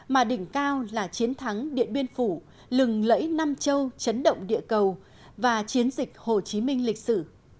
mà đỉnh cao là chiến thắng điện biên phủ lừng lẫy nam châu chấn động địa cầu và chiến dịch hồ chí minh lịch sử